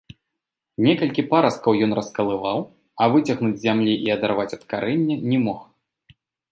Некалькі парасткаў ён раскалываў, а выцягнуць з зямлі і адарваць ад карэння не мог.